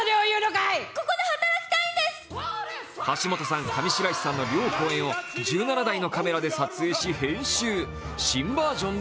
橋本さん、上白石さんの両公演を１７台のカメラで撮影し、編集。